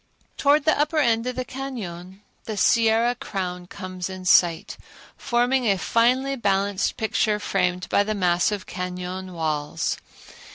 Towards the upper end of the cañon the Sierra crown comes in sight, forming a finely balanced picture framed by the massive cañon walls.